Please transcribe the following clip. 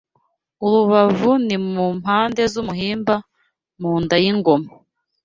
urubavu ni mu mpande z’umuhimba Mu nda y’ingoma